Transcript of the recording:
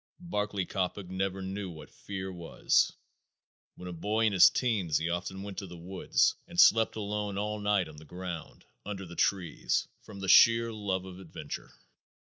Barclay Coppock never knew what fear was. When a boy in his teens he often went to the woods and slept alone all night on the ground, under the trees, from the sheer love of adventure.